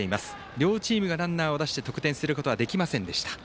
両チームがランナーを出して得点することはできませんでした。